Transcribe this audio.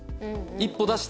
一歩出した。